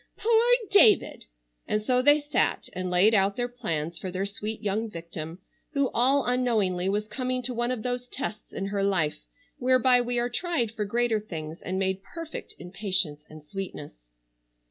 "Poor David!" and so they sat and laid out their plans for their sweet young victim, who all unknowingly was coming to one of those tests in her life whereby we are tried for greater things and made perfect in patience and sweetness.